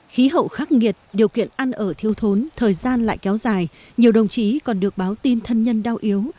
khí hậu khắc nghiệt điều kiện ăn ở thiêu thốn thời gian lại kéo dài nhiều đồng chí còn được báo tin thân nhân đau yếu